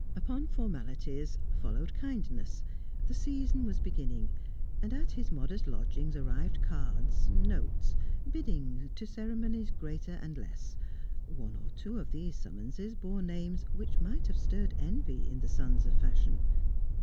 Upon formalities followed kindness; the season was beginning, and at his modest lodgings arrived cards, notes, bidding to ceremonies greater and less; one or two of these summonses bore names which might have stirred envy in the sons of fashion.